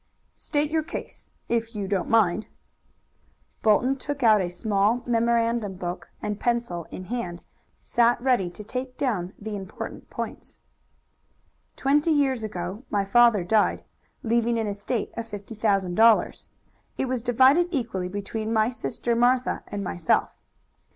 "State your case, if you don't mind." Bolton took out a small memorandum book, and, pencil in hand, sat ready to take down the important points. "Twenty years ago my father died, leaving an estate of fifty thousand dollars. It was divided equally between my sister Martha and myself.